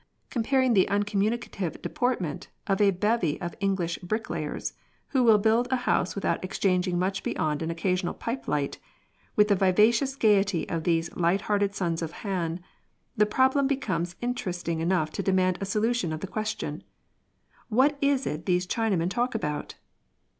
Comparing the uncommunicative deportment of a bevy of English bricklayers, who will build a house without exchanging much beyond an occasional pipe light, with the vivacious gaiety of these light hearted sons of Han, the problem becomes interesting enough to demand a solution of the question — What is it these Chinamen talk about